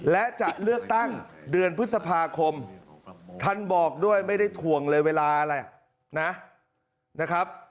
และจะเลือกตั้งเดือนพฤษภาคมท่านบอกด้วยไม่ได้ถ่วงเลยเวลาอะไรนะครับ